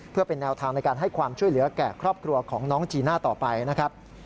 เพื่อเป็นแนวทางในการให้ความช่วยเหลือแก่ครอบครัวของน้องจีน่าต่อไปนะครับ